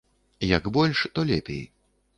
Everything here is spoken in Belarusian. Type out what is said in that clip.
Як больш, то лепей.